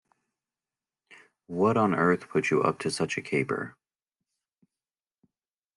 What on earth put you up to such a caper?